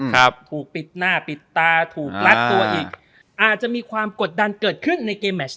ถูกปิดหน้าปิดตาถูกรัดตัวอีกอาจจะมีความกดดันเกิดขึ้นในเกมแมช